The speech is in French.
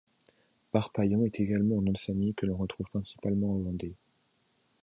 Parpaillon est également un nom de famille que l'on trouve principalement en Vendée.